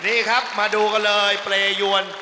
นี่ครับมาดูกันเลยเปรยวน